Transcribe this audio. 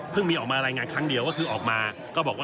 มีออกมารายงานครั้งเดียวก็คือออกมาก็บอกว่า